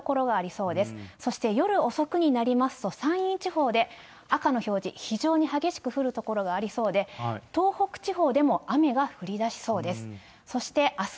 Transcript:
そして夜遅くになりますと、山陰地方で赤の表示、非常に激しく降る所がありそうで、東北地方でも雨が降りだしそうです。